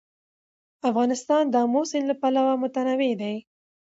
افغانستان د آمو سیند له پلوه متنوع دی.